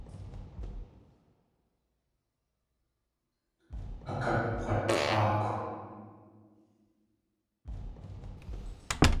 Akakg̲watláakw.